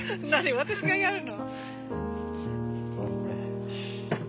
私がやるの？